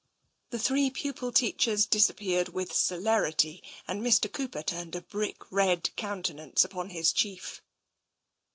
The three pupil teachers disappeared with celerity, and Mr. Cooper turned a brick red countenance upon his chief.